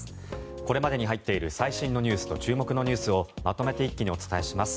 これまでに入っている最新ニュースと注目ニュースをまとめて一気にお伝えします。